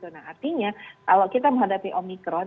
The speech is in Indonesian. nah artinya kalau kita menghadapi omikron